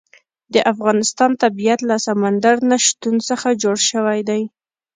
د افغانستان طبیعت له سمندر نه شتون څخه جوړ شوی دی.